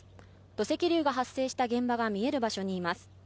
土石流が発生した現場が見える場所にいます。